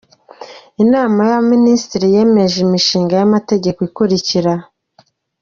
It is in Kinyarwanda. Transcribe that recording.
Inama y’Abaminisitiri yemeje imishinga y’amategeko ikurikira :.